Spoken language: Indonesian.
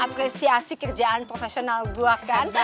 apresiasi kerjaan profesional gue kan